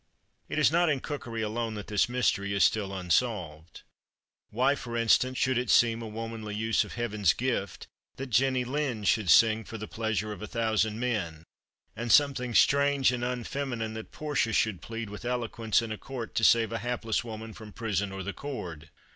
It is not in cookery alone that this mystery is still unsolved. Why, for instance, should it seem a womanly use of Heaven's gift that Jenny Lind should sing for the pleasure of a thousand men, and something strange and unfeminine that Portia should plead with eloquence in a court to save a hapless woman from prison or the cord?